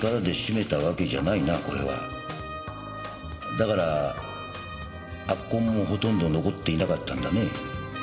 だから圧痕もほとんど残っていなかったんだね。